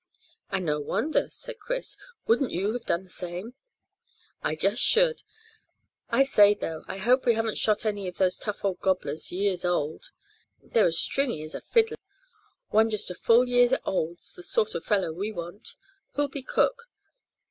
"And no wonder," said Chris. "Wouldn't you have done the same?" "I just should. I say, though, I hope they haven't shot any of those tough old gobblers, years old. They're as stringy as a fiddle. One just a full year old's the sort of fellow we want. Who'll be cook?